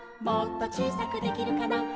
「もっとちいさくできるかな」